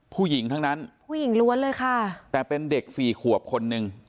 ผู้หญิงทั้งนั้นผู้หญิงล้วนเลยค่ะแต่เป็นเด็กสี่ขวบคนหนึ่ง